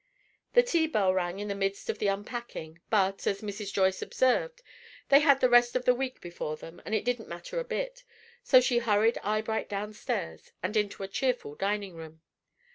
The tea bell rang in the midst of the unpacking; but, as Mrs. Joyce observed, they had the rest of the week before them, and it didn't matter a bit; so she hurried Eyebright downstairs, and into a cheerful dining room.